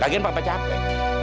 lagian papa capek